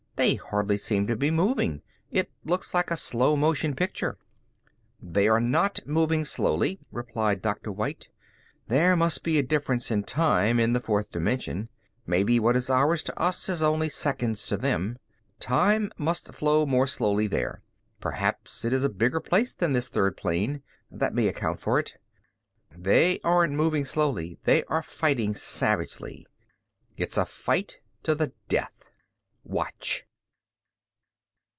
"They hardly seem to be moving. It looks like a slow motion picture." "They are not moving slowly," replied Dr. White. "There must be a difference in time in the fourth dimension. Maybe what is hours to us is only seconds to them. Time must flow more slowly there. Perhaps it is a bigger place than this third plane. That may account for it. They aren't moving slowly, they are fighting savagely. It's a fight to the death! Watch!"